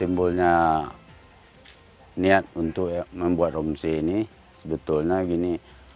sebenarnya niat untuk membuat homestay ini sebetulnya gini